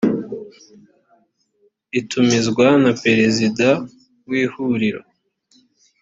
itumizwa na perezida w ihuriro